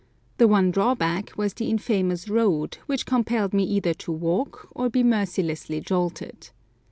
The one drawback was the infamous road, which compelled me either to walk or be mercilessly jolted.